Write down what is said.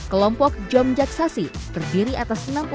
kelompok jomjak sasi terdiri atas enam puluh tiga perempuan